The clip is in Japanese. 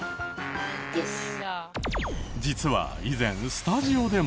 実は以前スタジオでも。